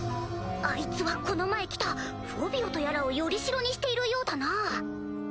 あいつはこの前来たフォビオとやらをより代にしてるようだな。